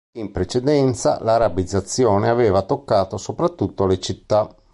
In precedenza l'arabizzazione aveva toccato soprattutto le città.